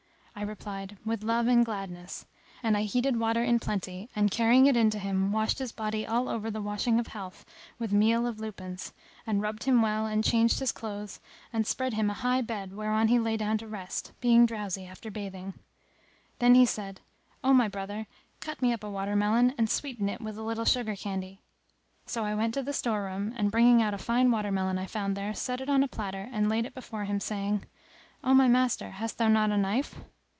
I replied, "With love and gladness;" and I heated water in plenty and carrying it in to him washed his body all over the washing of health,[FN#273] with meal of lupins[FN#274] and rubbed him well and changed his clothes and spread him a high bed whereon he lay down to rest, being drowsy after bathing. Then said he, "O my brother, cut me up a water melon, and sweeten it with a little sugar candy."[FN#275] So I went to the store room and bringing out a fine water melon I found there, set it on a platter and laid it before him saying, "O my master hast thou not a knife?"